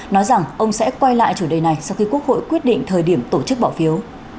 nói rằng ông sẽ quay lại chủ đề này sau khi quốc hội quyết định thời điểm tổ chức bỏ phiếu